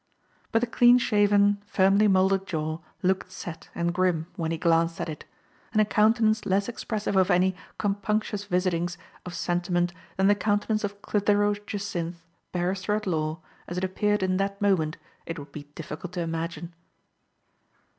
" But the clean shaven, firmly molded jaw looked set and grim when he glanced at it ; and a countenance less expressive of any " compunctious visitings " of sentiment than the countenance of Clitheroe Jacynth, barrister at law, as it appeared in that moment, it would be difficult to imagine.